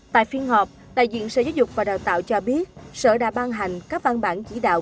tại phiên họp đại diện sở giáo dục và đào tạo cho biết sở đã ban hành các văn bản chỉ đạo